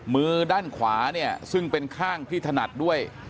มือด้านขวาซึ่งเป็นข้างพิถนัดด้วย